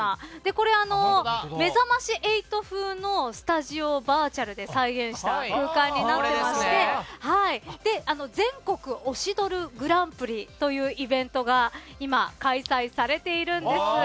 これ「めざまし８」風のスタジオを、バーチャルで再現した空間になっていまして全国推しドルグランプリというイベントが今、開催されているんです。